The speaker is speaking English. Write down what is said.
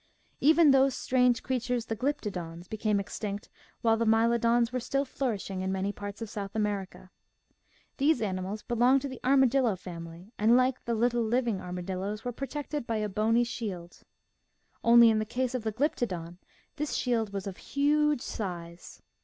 Even those strange creatures, ' the Glyptodons, became extinct while the Mylodons were still flourishing in many parts of South America. These animals belonged to the armadillo family and, like 140 MIGHTY ANIMALS the little living armadillos, were protected by a bony shield. Only, in the case of the Glyptodon this shield was of huge size.